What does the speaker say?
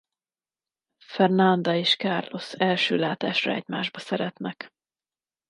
Fernanda és Carlos első látásra egymásba szeretnek.